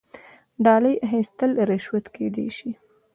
ډالۍ اخیستل رشوت کیدی شي